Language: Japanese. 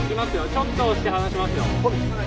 ちょっと押して離しますよ。